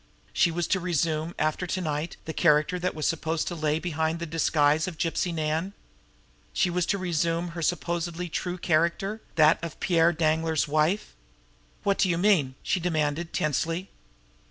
She was to resume, after to night, the character that was supposed to lay behind the disguise of Gypsy Nan! She was to resume her supposedly true character that of Pierre Danglar's wife! "What do you mean?" she demanded tensely.